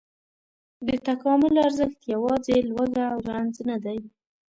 د تکامل ارزښت یواځې لوږه او رنځ نه دی.